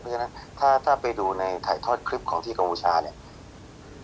เพราะฉะนั้นถ้าไปดูในถ่ายทอดคลิปของที่กัมพูชาเนี่ย